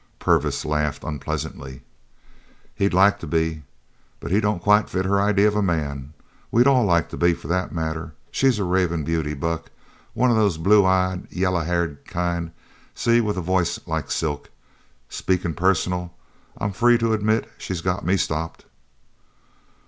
Purvis laughed unpleasantly. "He'd like to be, but he don't quite fit her idea of a man. We'd all like to be, for that matter. She's a ravin' beauty, Buck. One of these blue eyed, yaller haired kind, see, with a voice like silk. Speakin' personal, I'm free to admit she's got me stopped."